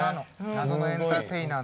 謎のエンターテイナー。